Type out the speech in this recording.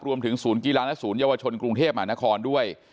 ศูนย์กีฬาและศูนยวชนกรุงเทพหมานครด้วย